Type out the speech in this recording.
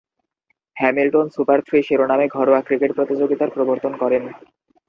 Hamilton super three শিরোনামে ঘরোয়া cricket প্রতিযোগিতার প্রবর্তন করেন।